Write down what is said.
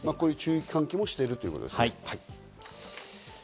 注意喚起もしているということですね。